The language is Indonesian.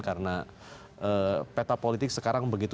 karena peta politik sekarang begitu